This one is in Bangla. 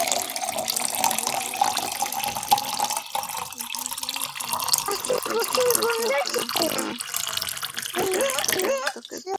কেবল বেড়াইবার পথের দুইধারে ঘনছায়াবৃত ঝাউগাছ বাতাসে সশব্দে কাঁপিতেছিল।